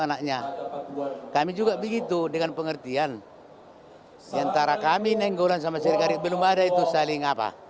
anaknya kami juga begitu dengan pengertian antara kami nenggolan sama siregar belum ada itu saling apa